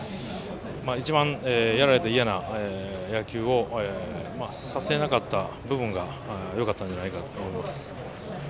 一番嫌な野球をさせなかった部分がよかったんじゃないかと思います。